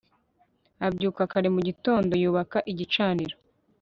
abyuka kare mu gitondo yubaka igicaniro